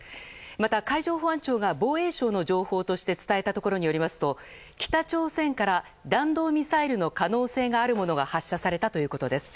また、海上保安庁が防衛省の情報として伝えたことによりますと北朝鮮から弾道ミサイルの可能性があるものが発射されたということです。